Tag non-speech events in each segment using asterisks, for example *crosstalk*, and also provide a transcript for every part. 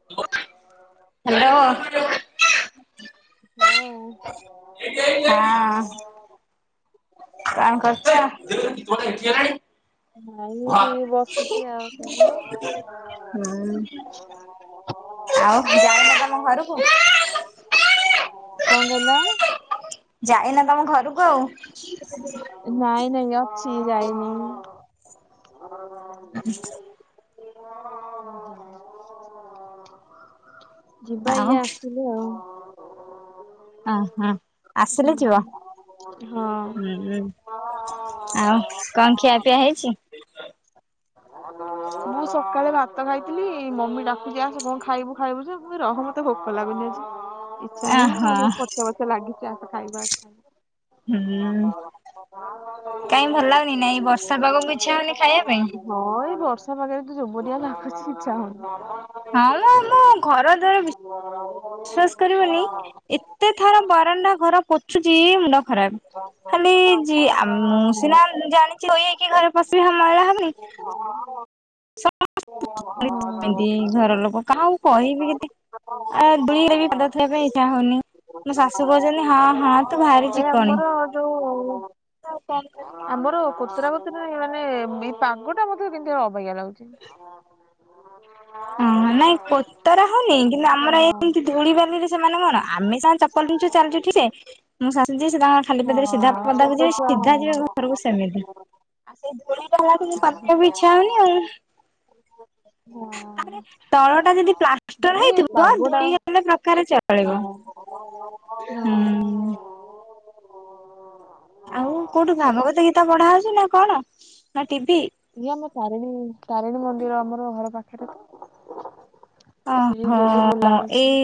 Hello. ହ। ହଁ। ହଁ। କଆଁ କରୁଚ ଦେଖିଲୁ ପୁଅଟା ଏଠି ହେଲାଣି। ନାଇଁ ଏଠି ବସିଛି ଆଉ ତମେ ହୁଁ ଆଉ ଯାଉନ ତମ ଘରକୁ କଙ୍ଗଲା ଯାଇନା ତମ ଘରକୁ ଆଉ ନାଇଁ ନାଇଁ ଅଛି ଯାଇନି। *inaudible* ଯିବା ଇଏ ଆଉ ଆସିଲେ ଆଉ ଓ ହଁ ହୁଁ ଆସିଲେ ଯିବ। ହଁ। ହୁଁଁ ଆଉ କଣ ଖିଆ ପିଆ ହେଇଛି। ମୁଁ ସକାଳେ ଭାତ ଖାଇଥିଲି। ମମି ଡାକୁଛି ଆସ କଣ ଖାଇବୁ ଖାଇବୁ ଯେ ମୁଁ କହି ରହମ ମୋତେ ଭୋକ ଲାଗୁନି ଆଜି। ଇଚ୍ଛା ନାହିଁ ଓହୋ ଆ ବୋଉ ପଛେ ପଛେ ଲାଗିଛି ଆସ ଖାଇବୁ ଆସ ଖାଇ ହୁଁ କାଇଁ ଭଲ ଲାଗୁନି। ନା ଏ ବର୍ଷା ପାଗକୁ ଇଚ୍ଛା ହଉନି ଖାଇବା ପାଇଁ। ହଁ ଏଇ ବର୍ଷା ପାଗରେ ତ ଯୋବନିଆ ଲାଗୁଛି ଇଚ୍ଛା ହଉନି। ହଁ ଆ ଘର ଦ୍ୱାର ବିଶ୍ୱାସ କରିବନି ଏତେ ଥର ବାରଣ୍ଡା ଘର ପୋଛୁଛି ମୁଣ୍ଡ। ଖରାପ ଖାଲି ଯି ମୁଁ ସିନା ଜାଣି ହେଇକି ଘରେ ପଶି ମଇଳା ହବନି। *inaudible* ସ ହଁ। *unintelligible* ଘର ଲୋକ କାହାକୁ କହିବି କେତି ଧିରେ ବି ଏ ଏବେ ଏଇଟା ହଉନି ମୋ ଶାଶୁ କହୁଛନ୍ତି ହଁ ହଁ ତୁ ଭାରି ଏ ଚିକଣି। ଆମର ଯୋଉ ଆଉ କଣ କର ଆମର କୋତରା କତିରେ ମାନେ ଏଇ ପାଗଟା ମୋତେ କେମତି ଗୋଟେ ଅବାଗିଆ ଲାଗୁଛି। ଓ ନାଇଁ କୋତରା ହଉନି କିନ୍ତୁ ଆମର ହଁ ଏମତି ଧୂଳି ବାଲିରେ ସେମାନେ କଣ ଆମେ ସିନା ଚପଲ ପିନ୍ଧୁଛୁ ଚାଲିଛୁ ଠିକସେ। ମୋ ଶାଶୁ ଯିଏ ଖାଲି ପାଦରେ ସିଧା ହଁ ଛୋଟ ପଦାକୁ ଯିବେ ଛୁଆ ହଁ। ସିଧା ଯିବେ ଘରକୁ ସେମିତି। ଆଉ ସେଇ ଧୂଳି *unintelligible* ଇଚ୍ଛା ହଉନି ଆଉ ହଁ ତାପରେ ତଳଟା ଯଦି ପ୍ଲାଷ୍ଟର ଏଇ ହେଇଥିବ ପାଗଟା ଧୂଳିଗଲେ ପ୍ରକାରେ ଚଳିବ। ହୁଁ ଆଉ କୋଉଠୁ ଭାଗବତ ଗୀତା ପଢା ହଉଛି ନା କଣ ନା ଟିଭି। ଇଏ ଆମ ତାରିଣୀ ତାରିଣୀ ମନ୍ଦିର ଆମର ଘର ପାଖରେ ତ ସେଏ ଓହୋ ଡେଲି ବୁଲା ହଉଛି। ଏଇ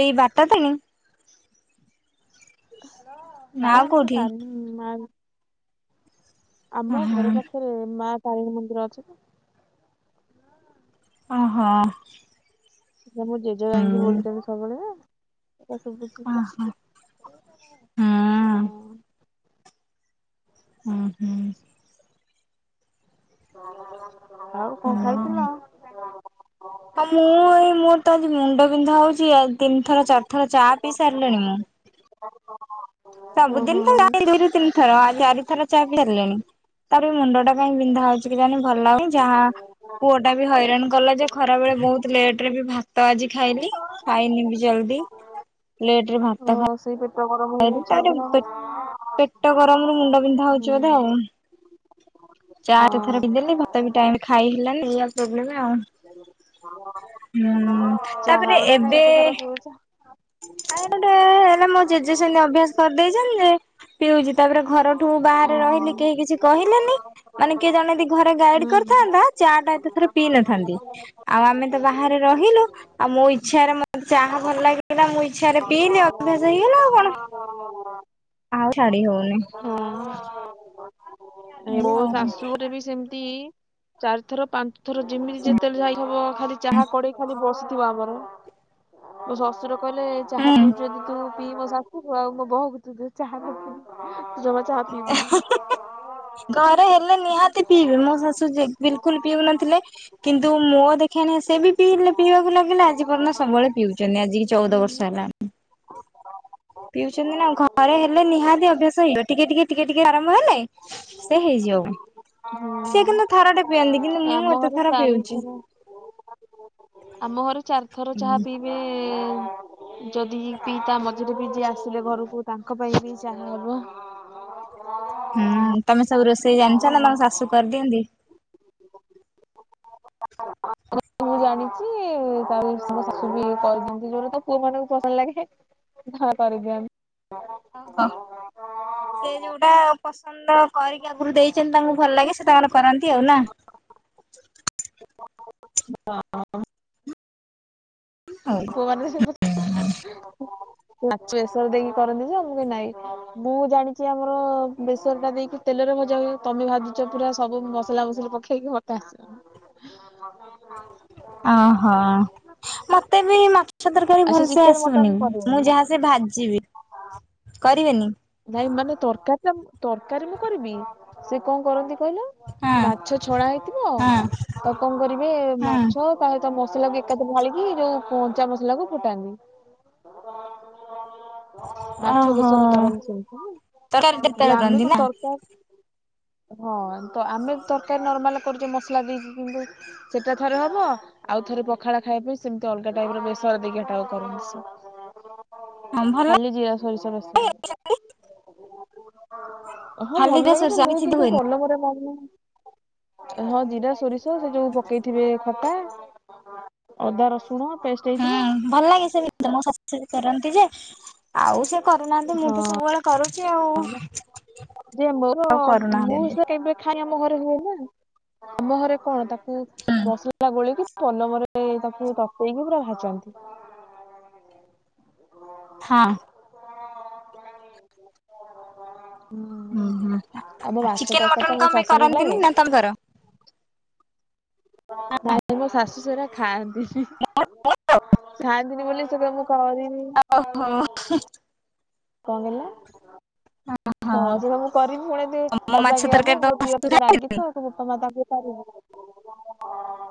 ଏଇ ବାଟତ ନହଁ ଆମର କାଲି ମା ଆମ ଓହୋ ଘର ପାଖରେ ମା ତାରିଣୀ ମନ୍ଦିର ଅଛି ତ। ଓହୋ ସେ ମୁଁ ଜେଜେ ଯାଇକି ହୁଁ ବୋଲୁଛନ୍ତି ସବୁବେଳେ ସେଟା ସୁବୁଛି। ଓହୋ ହୁଁ। ହଁ ହୁଁ ହୁଁ। ଆଉ ହୁଁ। କଣ ଖାଇଥିଲ? ହଁ ମୁଁ ଏଇ ମୋର ତ ଆଜି ମୁଣ୍ଡବିନ୍ଧା ହଉଛି ତିନିଥର ଚାରିଥର ଚା ପିଇ ସାରିଲିଣି ମୁଁ। *inaudible* ଓହୋ ସବୁଦିନ ତ ଦିରୁ ତିନିଥର ଆଉ ଚାରିଥର ଚାହା ପିଇ ସାରିଲିଣି। ତାର ବି ମୁଣ୍ଡଟା କାଇଁ ବିନ୍ଧା ହଉଛି କେଜାଣି ଭଲ ଲାଗୁନି ଯାହା ପୁଅଟା ବି ହଇରାଣ କଲା ଯେ ଖରାବେଳେ ବହୁତ ଲେଟ ରେ ବି ଭାତ ଆଜି ଖାଇଲି। ଖାଇନି ବି ଜଲ୍ଦି ଲେଟ ରେ ଭାତ *unintelligible* ହେଇଯାଇଛି ବୋଧେ ତାହେଲେ ନା କଣ? ପେଟ ଗରମରୁ ମୁଣ୍ଡବିନ୍ଧା ହୁଁ ହଉଛି ବୋଧେ ଆଉ। ଚା ଏତେଥର ହଁ। ପିଇ ଦେଲି ଭାତ ବି ଟାଇମରେ ଖାଇ ହେଲାନି ଆଉ। ସେଇଆ ପ୍ରୋବଲେମ ଆଉ। ହୁଁ ଚାହା ତାପରେ ଗୁଡା କାଇଁ ଏବେ ଏତେ ଥର ପିଉଛ? ଆ ଗୋଟେ ହେଲା ମୋ ଜଜେ ସେମିତି ଅଭ୍ୟାସ କରିଦେଇଛନ୍ତି ଯେ ପିଉଛି ତାପରେ ଘରଠୁ ବାହାରେ ରହିଲି କେହି କିଛି କହିଲେନି ମାନେ କିଏ ଜଣେ ଯଦି ଘରେ ଗାଇଡ କରିଥାନ୍ତା ଚା ଟା ଏତେ ଥର ପିଇ ନଥାନ୍ତି ଆଉ ଆମେ ତ ବାହାରେ ରହିଲୁ ଆଉ ମୋ ଇଚ୍ଛାରେ ମତେ ଚାହା ଭଲ ଲାଗିଲା ମୁଁ ଇଚ୍ଛାରେ ପିଇଲି ଅଭ୍ୟାସ ହେଇ ହେଲା ଆଉ କଣ ଆଉ ଛାଡି ହଉନି। ହୁଁ ହଁ ଏ ଏଇଆ ମୋ ଆଉ ଶାଶୁଘରେ ବି ସେମିତି *inaudible* ଚାରି ଥର ପାଞ୍ଚ ଥର ଯେମିତି ଯେତେବେଳେ ଯାଇ ହବ ଖାଲି ଚାହା କଡେଇ ଖାଲି ବସିଥିବ ଆମର ମୋ ଶଶୁର କହିଲେ ଚାହା ହୁଁ। ପିଉଛୁ ତୁ ପିଇ ମୋ ଶାଶୁ କୁ ଆଉ ମୋ ବୋହୂକୁ ଚାହା ଦବୁନି ମୁଁ ଜମା ଚା ପିବୁନି। ଘରେ ହେଲେ ନିହାତି ପିଇବେ ମୋ ଶାଶୁ ବିଲକୁଲ ପିଉ ନଥିଲେ କିନ୍ତୁ ମୋ ଦେଖେନି ସେ ବି ପିଇଲେ ପିଇବାକୁ ଲାଗିଲା ଆଜି ପର୍ଯ୍ୟନ୍ତ ସବୁବେଳେ ପିଉଛନ୍ତି ଆଜି କି ହୁଁ। ଚଉଦ ବର୍ଷ ହେଲା। ପିଉଛନ୍ତି ନା ଘରେ ହେଲେ ନିହାତି ଅଭ୍ୟାସ ହେଇଯିବ ଟିକେ ଟିକେ ଟିକେ ଟିକେ ଆରମ୍ଭ ହେଲେ ସେ ହେଇଯିବ ହୁଁ। ସିଏ କିନ୍ତୁ ଥରଟେ ପିଅନ୍ତି କିନ୍ତୁ ଏ ମୁଁ ଆମ ଏତେ ଘରେ ଥର ପିଉଛି। ଚାରିଥର ଆମ ଘରେ ଚାରିଥର ଚାହା ପିଇବେ ଯଦି ପିଇ ତା ମଝିରେ ବି ଯିଏ ଆସିଲେ ଘରକୁ ତାଙ୍କ ପାଇଁ ବି ଚାହା ହବ ହୁଁ ତମେ ସବୁ ରୋଷେଇ ଏମିତି ଜାଣିଛ ନା ଆଉ। ତମ ଶାଶୁ କରିଦିଅନ୍ତି? ମୁଁ ଜାଣିଛି ତା ମୋ ଶାଶୁ ବି କରିଦିଅନ୍ତି ଯୋଉ ତା ପୁଅ ମାନଙ୍କୁ ପସନ୍ଦ ଲାଗେ। ହଁ କରିଦିଅନ୍ତି। *unintelligible* ସେ ଯୋଉଟା ପସନ୍ଦ କରିକି ଆଗରୁ ଦେଇଛନ୍ତି ତାଙ୍କୁ ଭଲ ଲାଗେ ସେ ତାଙ୍କର କରନ୍ତି ଆଉ ନା। ହଁ। ହଉ। ପୁଅମାନେ ତ ସବୁ *inaudible* ମାଚ ବେସର ଦେଇକି କରନ୍ତି ଯେ ଆମ କି ନାଇଁ ମୁଁ ଜାଣିଛି ଆମର ବେସର ଟା ଦେଇକି ତେଲରେ ଭଜା ହୁଏ। ତମେ ଭାଜୁଚ ପୁରା ସବୁ ମସଲା ମସଲି ପକେଇକି ମତେ ଆସିବନି। *inaudible* ଓହୋ ମତେ ବି ମତେ ମାଛ ତରକାରୀ ଆଚ୍ଛା ଭଲସେ ଚିକେନ ମଟନ ଆସୁନି। ମୁଁ କରିବେନି। ଯାହା ସେ ଭାଜିବି କରିବେନି। ନାଇଁ ମାନେ ତରକାରୀ ଟା ତରକାରୀ ମୁଁ କରିବି ସେ କଣ କରନ୍ତି କହିଲ ହଁ ମାଛ ଛଡା ହେଇଥିବ ହଁ ତ କଣ କରିବେ ହଁ। ମାଛ ତା ସହିତ ମସଲାକୁ ଏକାଥରେ ଢାଳିକି ଯୋଉ କଞ୍ଚା ମସଲା କୁ ଫୁଟାନ୍ତି। ମାଛ ଓହୋ। ବେସର କରନ୍ତି ତରକାରୀ ହେଲେ କେତେବେଳେ ଆମେ କରନ୍ତି କଣ ନା ତରକାର ହଁ ତ ଆମେ ତରକାରୀ ନର୍ମାଲ କରୁଛେ ମସଲା ଦେଇକି କିନ୍ତୁ ସେଟା ଥରେ ହବ ଆଉ ଥରେ ପଖାଳ ଖାଇବା ପାଇଁ ସେମିତି ଅଲଗା ଟାଇପ ର ବେସର ଦେଇକିଟା ଦରକାର୍ ହଁ ହବ। ଭଲ ଖାଲି ଜିରା ସୋରିଷ ବେଶର। ହଁ ଖାଲି ଭଲ ରେ ଲାଗେ ଜେ ସୋରିଷ ଆଉ ମୁଁ କିଛି କିନ୍ତୁ ହୁଏନି। କଲମରେ ମାରୁନିି। ହଁ ଜିରା ସୋରିଷ ସେ ଯୋଉ ପକେଇଥିବେ ଖଟା, ଅଦା ରସୁଣ ପେଷ୍ଟ ହେଇଥିବ। ହୁଁ ଭଲ ଲାଗେ ସେ ତମ ଶାଶୁ କରନ୍ତି ଯେ ଆଉ ସେ କରୁନାହାନ୍ତି ମୁଁ ହଁ ତ ସବୁବେଳେ କରୁଚି ଆଉ ଯେ ମୋର ଆଉ କରୁନାହାନ୍ତି ମୁଁ ଏମିତି। ସେ କେବେ ଖାଇ ଆମ ଘରେ ହୁଏ ନା ଆମ ଘରେ କଣ ତାକୁ ହୁଁ ଦଶ ଗଲା ଗୋଳିଇକି ପନମରେ ତାକୁ ତତେଇକି ପୁରା ଭାଜନ୍ତି। ହଁ। ଉଁ ହୁଁ ଆମ ମାଛ ଚିକେନ ତରକାରୀ ଟା ମଟନ ମୋ କଣପାଇଁ ଶାଶୁଙ୍କୁ ଲାଗେ କରନ୍ତିନି ନା ତମେକର? ନାଇଁ ମୋ ଶାଶୁ ସେଉରା ଖାଆନ୍ତିନି। ମୁଁ କରେ ଖାଆନ୍ତିନି ବୋଲି ଶେପା ମୁଁ କରେନି। *inaudible* କଣ କହିଲ? ହଁ ସେଇଟା ମୁଁ କରିବି ପୁଣି ଟି ତମ ମାଛ ଅବାଗିଆ ହବ ତରକାରୀ ତମ ମୋ ଝିଅ ଶାଶୁ ଟିକେ ରାଗି ଖାଆନ୍ତିନି? ତ ବୋପା ମା ତାକୁ କିଏ ପାରିବ?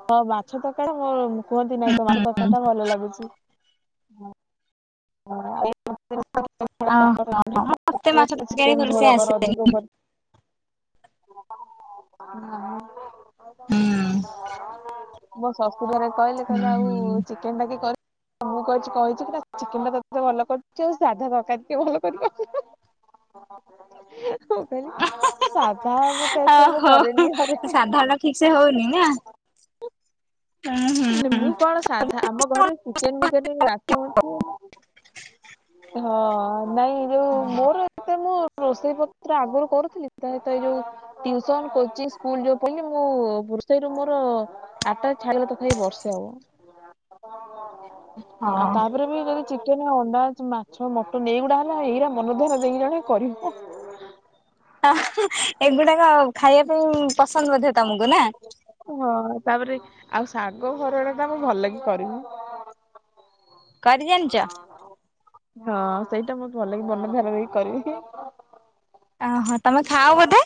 ହଁ ମାଛ ତରକାରୀ ଟା ମ କୁହନ୍ତି ନାହିଁ ତୋ ମାଛ ତରକାରୀ ଟା ଭଲ ଲାଗୁଚି। *unintelligible* ଓହୋ ମତେ ମାଛ ତରକାରୀ ଚିକେନ ଭଲସେ ଝୋଳ କରନ୍ତି ଆସେ। ଅଧିକ କର ହୁଁ ହୁଁ ମୋ ଶଶୁରଙ୍କ ର କହିଲେ ହୁଁ କହିଲେ ଆଉ ହୁଁ। ଚିକେନଟା କେ କରି ତ ମୁଁ କହିଚି କହିଚି ପୁରା ଚିକେନ ଟା ତତେ ଭଲ କରୁଚୁ ଆଉ ସାଧା ତରକାରୀ ଟିକେ ଭଲ କରିବ। *inaudible* ହଁ ହଁ ସାଧା ମତେ ଏତେ ମୁଁ ଓହୋ କରେନି ଘରେ ସାଧା ଟା ଠିକ ସେ ହଉନି ନା? ଉଁ ହୁଁ। ନିମ୍ବୁ କଳସ ସାଧା ଆମ ଘରେ ଚିକେନ ଫିକେନ୍ *unintelligible* ହଁ। ନାଇଁ ଯୋଉ ମୋର ଏତ ମୁଁ ରୋଷେଇ ପତ୍ର ଆଗରୁ କରୁଥିଲିତ ଏଇ ଯୋଉ ଟିଉସନ କୋଚିଂ ସ୍କୁଲ ଯୋଉ ପଢିଲି ମୁଁ ରୋଷେଇରୁ ମୋର ଆଟାଜ ଛାଡିଗଲା। ଏଇ ବର୍ଷେ ହବ ଆଉ ହଁ ତାପରେ ବି ଯଦି ଚିକେନ, ଅଣ୍ଡା, ମାଛ, ମଟନ ଏଇଗୁଡା ହେଲା ଏଇରା ମନ ଦରେ ଦେଇକି ଜଣେ କରିବି। ଏଗୁଡାକ ଖାଇବା ପାଇଁ ପସନ୍ଦ ବୋଧେ ତମକୁ ନା? ହଁ ତାପରେ ଆଉ ଶାଗ ଭରଳ ଟା ମୁ ଭଲକି କରିବି। କରି ଜାଣିଚ? *unintelligible* ହଁ ସେଇଟା ମୁଁ ଭଲକି ମନ ଧ୍ୟାନ ଦେଇକି କରିବି। ଓହୋ ତମେ ଖାଅ ବୋଧେ?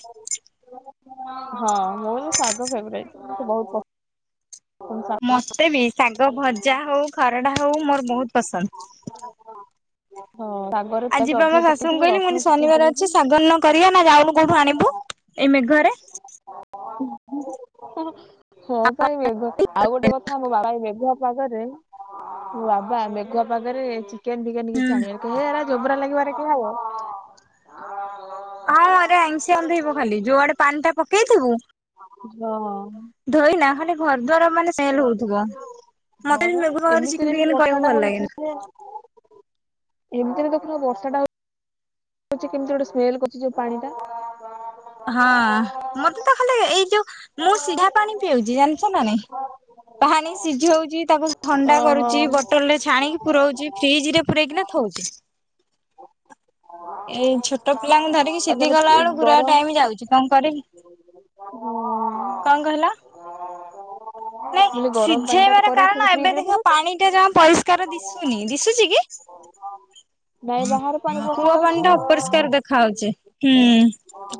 ହଁ ମୋର ଶାଗ ଫେବେରେଟ ମତେ ବହୁତ ପସନ୍ଦ। ତୁମ ସା ମତେ ବି ଶାଗ ଭଜା ହଉ ଖରଡ଼ା ହଉ ମୋର ବହୁତ ପସନ୍ଦ। ହଁ ଶାଗରେ ପିଆଜ ଆଜିିବା ଆମ ଅଧିକ ଶାଶୁଙ୍କୁ ପକେଇଥିବି କହିଲି ମୁଁ ରସୁଣ ଛେଚିକି ଶନିବାର ପକେଇଥିବି ଅଛି ଶାଗନ୍ନ କରିବା ନା ଯାଉନୁ କୋଉଠୁ ଆଣିବୁ ଏଇ ମେଘରେ। *unintelligible* ହଁ ପା ଏଇ ମେଘ ଆଉ ଗୋଟେ କଥା ମାଡାମ ଏଇ ମେଘୁଆ ପାଗରେ ମୋ ବାବା ମେଘୁଆ ପାଗରେ ଚିକେନ ଫିକେନ ହୁଁ କିଛି ଆଣିବେନି କହେରା ଜୋବରା ଲାଗିବା ହେଉର କିଏ ଖାଇବ? ହଁ ଆରେ ଆଇଂସିଆ ଗନ୍ଧେଇବ ଖାଲି ଯୋଉଆଡେ ପାଣି ଟା ପକେଇଥିବୁ ହଁ। ଧୋଇନା ଖାଲି ଘର ଦ୍ୱାର ମାନେ ସ୍ମେଲ ହଉଥିବ। ମତେ ହଁ ବି ବା ମେଘୁଆ ପାଗରେ ଚିକେନ ଏମିତିରେ ବି ଫିକେନ ବର୍ଷା କରିବାକୁ ଟା ଭଲ ଲାଗେନି। *unintelligible* ଏମିତିରେ ଦେଖ ବର୍ଷା ଟା ହଉ କହୁଛି କେମିତି ଗୋଟେ ସ୍ମେଲ କରୁଛି ଏ ପାଣିଟା। ହଁ ମତେ ତ ଖାଲି ଏଇ ଯୋଉ ମୁଁ ସିଧା ପାଣି ପିଉଛି ଜାଣିଛ ନା ନାଇଁ? ପାଣି ସିଝଉଛି ତାକୁ ଥଣ୍ଡା ଓହୋ କରୁଛି ଆଉ ବ ବୋଟଲ ରେ ଛାଣିକି ପୁରାଉଛି ଫ୍ରିଜରେ ପୁରାଇକିନା ଥଉଛି। ଏଇ ଛୋଟ ପିଲାଙ୍କୁ ଧରିକି ସିଧି ତାହେଲେ ଗଲା ଏ ବେଳୁ ଗୁଡ଼ାଏ ଗରମ ଟାଇମ ଯାଉଛି କଣ କରିବି? ହଁ କଣ କହିଲା? ନାଇଁ ବୋଲି ଗରମ ପାଣି ଟା ସିଝେଇବାର କରିକି କାରଣ ପୁଣି ଫ୍ରିଜ ଏବେ ରେ ଦେଖିବ ପୁରଉଛୁ ପାଣି ଟା ଜମା ପରିଷ୍କାର ଦିଶୁନି ଦିଶୁଚି କି? ନାଇଁ ବାହାରେ ପାଣି ପଶି କୂଅ ଯାଉଛି ପାଣି ଟା ଆଉ ଅପରିଷ୍କାର ଦେଖା ହାଉଛି ହୁଁ।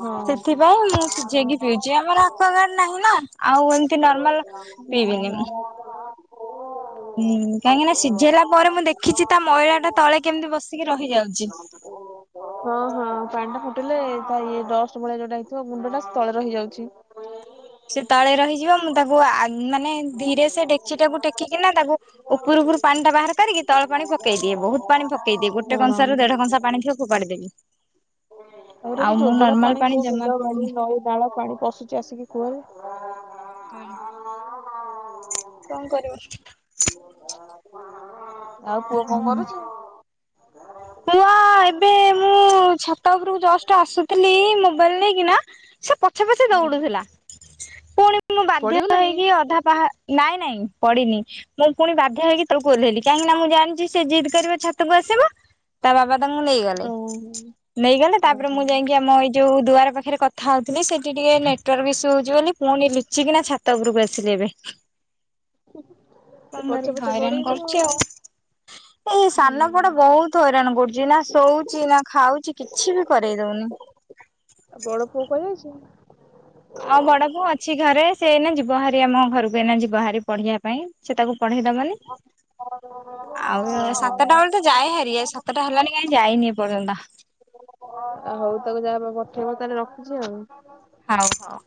ହଁ। ସେଥିପାଇଁ ମୁଁ ସିଝେଇକି ପିଉଛି ଆମର ଆଖଗଡ ନାହିଁ ନା ଆଉ ଏମତି ନର୍ମାଲ ପିଇବିନି ହୁଁ ମୁଁ। ହଁ ହୁଁ କାହିଁକିନା ସିଝେଇଲା ପରେ ମୁଁ ଦେଖିଛି ତା ମଇଳା ଟା ତଳେ କେମିତି ବସିକି ରହିଯାଉଛି। ହଁ ହଁ ପାଣି ଟା ଫୁଟିଲେ ତା ଇଏ ଡଷ୍ଟ ଭଳିଆ ଯୋଉଟା ହେଇଥିବ ମୁଣ୍ଡଟା ସ୍ଥଳେ ରହି ଯାଉଛି। ସେ ତଳେ ରହିଯିବ ମୁଁ ତାକୁ ଆ ମାନେ ଧୀରେ ସେ ଡେକଚିଟାକୁ ଟେକିକିନା ତାକୁ ଉପର ଉପରୁ ପାଣି ଟା ବାହାର କରିକି ତଳ ପାଣି ପକେଇ ଦିଏ ବହୁତ ପାଣି ପକେଇଦିଏ ଗୋଟେ କଂସାରୁ ହଁ। ଦେଢ କଂସା ପାଣି ଥିବ ଫୋପାଡ଼ି ଦେବି। ଆଉର ଆଉ ତ ମୁଁ ଚୋବରା ନର୍ମାଲ ପାଣି କୋଉ ଜମା ବିଲ ପିଇବିନି। ବାଡି ନଈ ଡାଳ ପାଣି ପଶୁଛି ଆସିକି କୁଅ ରେ ହଁପା କଣ କରିବି? ଆଉ ପୁଅ କଣ କରୁଛି? ପୁଅ ଏବେ ମୁଁ ଛାତ ଉପରୁକୁ ଜଷ୍ଟ ଆସୁଥିଲି ମୋବାଇଲ ନେଇକିନା ସେ ପଛେ ପଛେ ହଁ ଦୌଡୁଥିଲା ପୁଣି ମୁଁ ବାଧ୍ୟ ପଡିଗଲା କି ହେଇକି ଅଧା ପାହା ନାଇଁ ନାଇଁ ପଡିିନି। ମୁଁ ପୁଣି ବାଧ୍ୟା ହେଇକି ତଳକୁ ଓହ୍ଲେଇଲି କାହିଁକି ନା ମୁଁ ଜାଣିଛି ସେ ଜିଦ୍ କରିବ ଛାତକୁ ଆସିବ। ତା ବାବା ତାଙ୍କୁ ନେଇଗଲେ ହଁ ହଁ ନେଇଗଲେ ତାପରେ ଓହୋ ମୁଁ ଯାଇକି ଆମ ଇ ଯୋଉ ଦୁଆର ପାଖରେ କଥା ହଉଥିଲି ସେଠି ଟିକେ ନେଟୱାର୍କ ସ୍ୟୁ ହଉଛି ବୋଲି ପୁଣି ଲୁଚିକିନା ଛାତ ଉପରକୁ ଆସିଲି ଏବେ। ସେ ପଛେ ପଛେ ହଇରାଣ ଗୋଡେଇବୁ କରୁଛି ଆଉ ଆଉ ଏଇ ହୁଁ ସାନ ପୁଅ ଟା ବହୁତ ବୁଡୁଛି ନା ଶୋଉଛି ନା ଖାଉଛି କିଛି ବି କରେଇ ଦଉନି। ବଡ ପୁଅ କୁଆଡେ ଯାଇଛି? ଆଉ ବଡ ବୋଉ ଅଛି ଘରେ ସେ ଏଇନା ଯିବ ହାରି ଆମ ଘରକୁ ଏଇ ଯିବା ହାରି ପଢିଆ ପାଇଁ ସେ ତାକୁ ପଢେଇ ଦବନି। ଆଉ ସାତଟା ଓହୋ ବେଳେ ତ ଯାଏ ହାରି ସାତଟା ହେଲାନି କାହିଁ ଯାଇନି ଏପର୍ଯ୍ୟନ୍ତ। ଆଉ ହଉ ତାକୁ ଯାହା ପଠେଇବ ତାହଲେ ରଖୁଛି ଆଉ। ହଉ ହଉ।